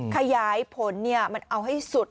ขยายผลมันเอาให้สุด